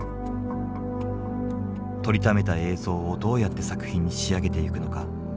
撮りためた映像をどうやって作品に仕上げてゆくのか。